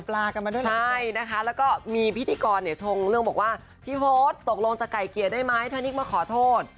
และมีพิธีกรชงเรื่องพี่โพศตกลงจะไกลเกียร์ได้ไหมถ้านิ๊กซ์มาขอโทษ